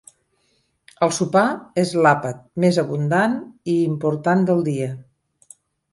El sopar és l'àpat més abundant i important del dia.